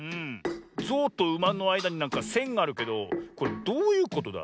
ゾウとウマのあいだになんかせんがあるけどこれどういうことだ？